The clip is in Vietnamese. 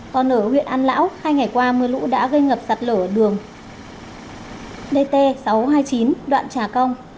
còn ở huyện an lão hai ngày qua mưa lũ đã gây ngập sạt lở đường dt sáu trăm hai mươi chín đoạn trà cong